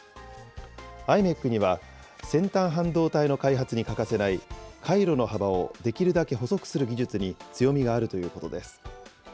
ｉｍｅｃには、先端半導体の開発に欠かせない、回路の幅をできるだけ細くする技術に強みがあるということです。